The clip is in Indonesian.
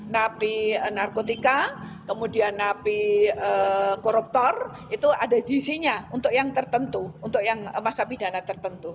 napi narkotika kemudian napi koruptor itu ada gc nya untuk yang tertentu untuk yang masa pidana tertentu